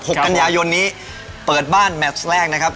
กันยายนนี้เปิดบ้านแมชแรกนะครับ